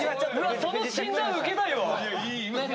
その診断受けたいわ！